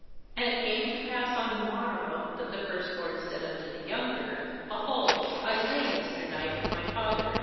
34And it came to pass on the morrow, that the first born said unto the younger: 'Behold, I lay yester night with my father.